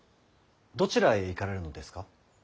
どちらへ行かれるのですか？